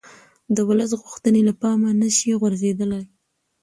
د ولس غوښتنې له پامه نه شي غورځېدلای